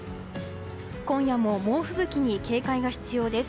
今夜も猛吹雪に警戒が必要です。